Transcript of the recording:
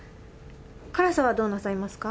辛さはどうなさいますか？